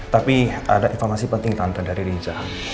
tapi ada informasi penting tanta dari riza